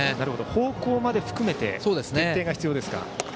方向まで含めて徹底が必要ですか。